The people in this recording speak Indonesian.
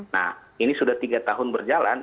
nah ini sudah tiga tahun berjalan